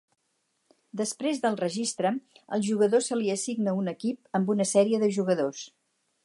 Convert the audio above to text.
Després del registre, al jugador se li assigna un equip amb una sèrie de jugadors.